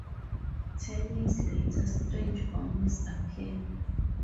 Ten years later strange omens appear.